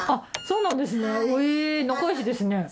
そうなんです。